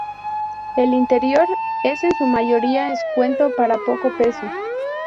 El interior es en su mayoría escueto para poco peso.